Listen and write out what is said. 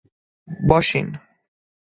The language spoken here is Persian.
باشین